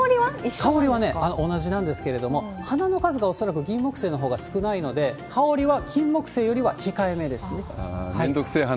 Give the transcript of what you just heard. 香りは同じなんですけれども、花の数が恐らくギンモクセイのほうが少ないので、香りはキンモクセイよりは控え目ですね。